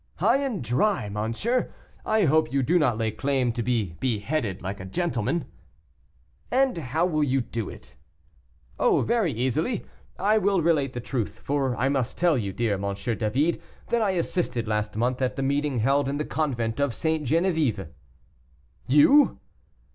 "High and dry, monsieur; I hope you do not lay claim to be beheaded like a gentleman." "And how will you do it?" "Oh, very easily; I will relate the truth, for I must tell you, dear M. David, that I assisted last month at the meeting held in the convent of St. Geneviève." "You!"